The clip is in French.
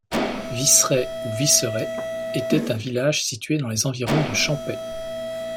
Visserey ou Vicerey était un village situé dans les environs de Champey.